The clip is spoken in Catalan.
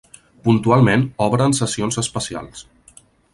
Puntualment obre en sessions especials.